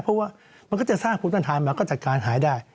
เพราะว่ามันก็จะสร้างภูมิปัญญามาก็จัดการหายได้